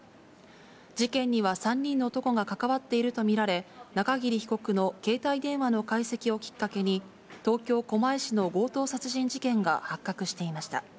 事件には３人の男が関わっていると見られ、中桐被告の携帯電話の解析をきっかけに、東京・狛江市の強盗殺人事件が発覚していました。